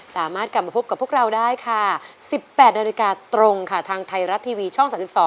สามารถกลับมาพบกับพวกเราได้ค่ะ๑๘นาฬิกาตรงค่ะทางไทยรัฐทีวีช่อง๓๒